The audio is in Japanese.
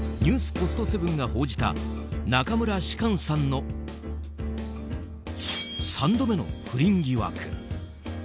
ポストセブンが報じた中村芝翫さんの３度目の不倫疑惑。